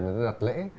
người ta đặt lễ